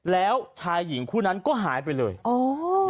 แล้วชายหญิงคู่นั้นก็หายไปเลยอ๋อ